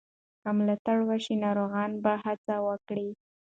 که ملاتړ وشي، ناروغان به هڅه وکړي.